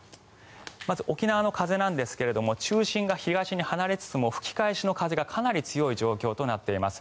沖縄の風なんですが中心が東に離れつつも吹き返しの風がかなり強い状況となっています。